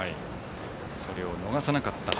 それを逃さなかった、林。